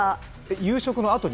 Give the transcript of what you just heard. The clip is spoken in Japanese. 夕食のあとに？